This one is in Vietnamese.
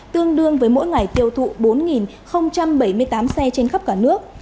tương đương với mỗi ngày tiêu thụ bốn bảy mươi tám xe trên khắp cả nước